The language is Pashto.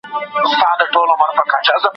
مدیتیشن د ذهن سکون زیاتوي.